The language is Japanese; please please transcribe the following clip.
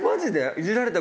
いじられた？